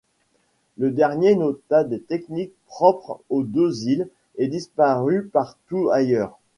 Ce dernier nota des techniques propres aux deux îles et disparues partout ailleurs.